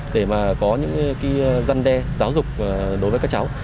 để mà có những dân đe giáo dục đối với các cháu